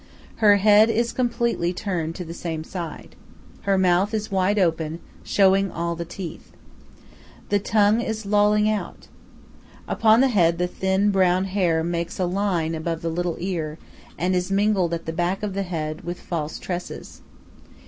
Her head is completely turned to the same side. Her mouth is wide open, showing all the teeth. The tongue is lolling out. Upon the head the thin, brown hair makes a line above the little ear, and is mingled at the back of the head with false tresses.